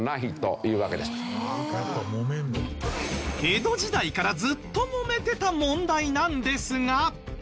江戸時代からずっともめてた問題なんですが。